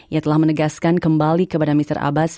ia telah menegaskan kembali kepada mr abbas